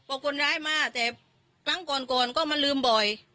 บอกคนร้ายมาแต่ครั้งก่อนก็มาลืมบ่อย